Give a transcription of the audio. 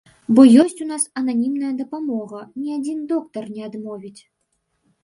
Бо ёсць у нас ананімная дапамога, ні адзін доктар не адмовіць.